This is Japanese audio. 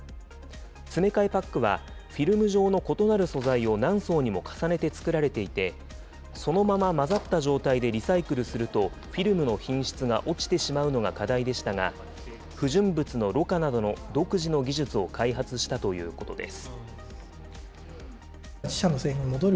詰め替えパックは、フィルム状の異なる素材を何層にも重ねて作られていて、そのまま混ざった状態でリサイクルするとフィルムの品質が落ちてしまうのが課題でしたが、不純物のろ過などの独自の技術を開発したということです。